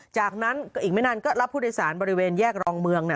จากนั้นก็อีกไม่นานก็รับผู้โดยสารบริเวณแยกรองเมือง